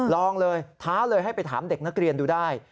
ลองเลยท้าเลยให้ไปถามเด็กนักเรียนดูได้